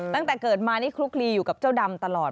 ตั้งแต่เกิดมานี่คลุกลีอยู่กับเจ้าดำตลอด